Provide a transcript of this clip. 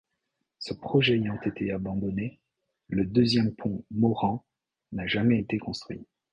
Ce projet ayant été abandonné, le deuxième pont Morand n'a jamais été construit.